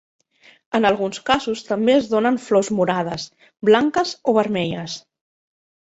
En alguns casos també es donen flors morades, blanques o vermelles.